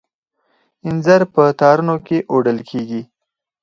انځر په تارونو کې اوډل کیږي.